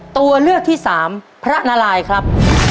ตัวเลือกที่สามพระนารายครับ